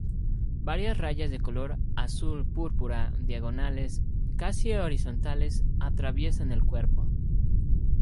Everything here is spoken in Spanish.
Varias rayas de color azul-púrpura diagonales, casi horizontales, atraviesan el cuerpo.